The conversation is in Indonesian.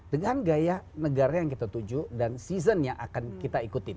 dengan gaya negara yang kita tuju dan season yang akan kita ikutin